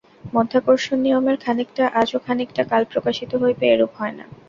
মাধ্যাকর্ষণ-নিয়মের খানিকটা আজ ও খানিকটা কাল প্রকাশিত হইবে, এরূপ হয় না।